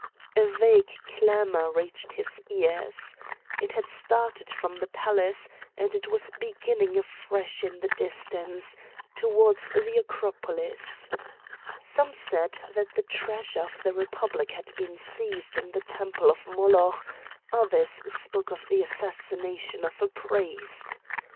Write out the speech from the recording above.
A vague clamour reached his ears. It had started from the palace, and it was beginning afresh in the distance, towards the Acropolis. Some said that the treasure of the Republic had been seized in the temple of Moloch; others spoke of the assassination of a priest.